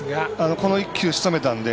この１球しとめたので。